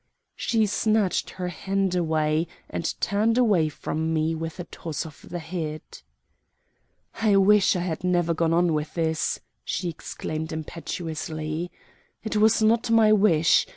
She snatched her hand away, and turned away from me with a toss of the head. "I wish I had never gone on with this!" she exclaimed impetuously. "It was not my wish.